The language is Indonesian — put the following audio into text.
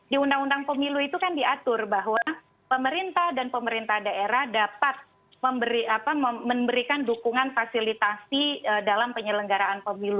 di undang undang pemilu itu kan diatur bahwa pemerintah dan pemerintah daerah dapat memberikan dukungan fasilitasi dalam penyelenggaraan pemilu